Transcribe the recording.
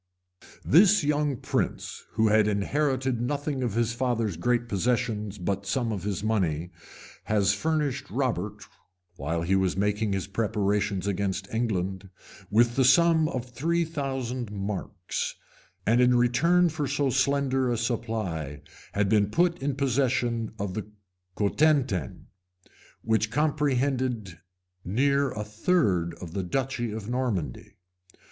This young prince, who had inherited nothing of his father's great possessions but some of his money, has furnished Robert, while he was making his preparations against England, with ihe sum of three thousand marks; and in return for so slender a supply, had been put in possession of the Cotentin, which comprehended near a third of the duchy of Normandy.